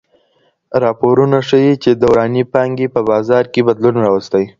راپورونه ښيي چې دوراني پانګي په بازار کي بدلون راوستی.